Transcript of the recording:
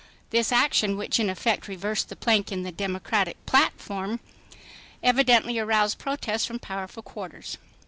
This action which in effect reversed the plank in the Democratic platform evidently aroused protests from powerful quarters.